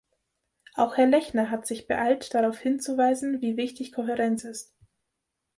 Auch Herr Lechner hat sich beeilt darauf hinzuweisen, wie wichtig Kohärenz ist.